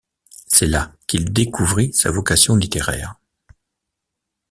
C’est là qu’il découvrit sa vocation littéraire.